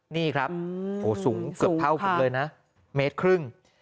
นี่ครับสูงเกือบเท่าผมเลยนะเมตรครึ่ง